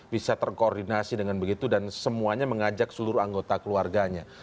bisa terkoordinasi dengan begitu dan semuanya mengajak seluruh anggota keluarganya